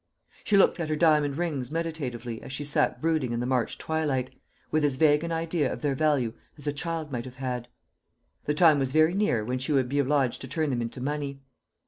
She looked at her diamond rings meditatively as she sat brooding in the March twilight, with as vague an idea of their value as a child might have had. The time was very near when she would be obliged to turn them into money.